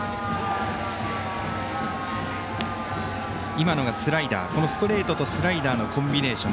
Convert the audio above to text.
今のがスライダーストレートとスライダーのコンビネーション。